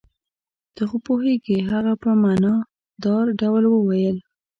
ته خو پوهېږې. هغه په معنی دار ډول وویل.